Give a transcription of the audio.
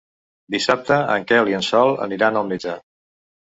Dissabte en Quel i en Sol aniran al metge.